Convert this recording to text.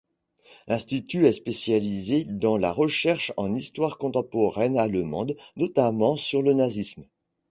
L'institut est spécialisé dans la recherche en histoire contemporaine allemande, notamment sur le nazisme.